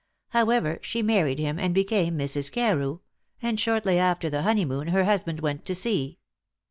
However, she married him and became Mrs. Carew, and shortly after the honeymoon her husband went to sea.